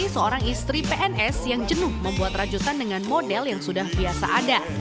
seorang istri pns yang jenuh membuat rajutan dengan model yang sudah biasa ada